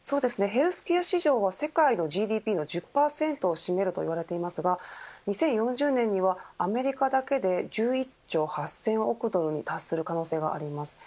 ヘルスケア市場は世界のＧＤＰの１０％を占めるといわれていますが２０４０年にはアメリカだけで１１兆８０００億ドルに達する可能性があります。